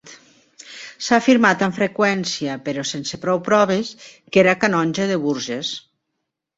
S'ha afirmat amb freqüència, però sense prou proves, que era canonge de Bourges.